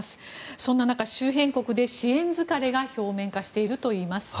そんな中、周辺国で支援疲れが表面化しているといいます。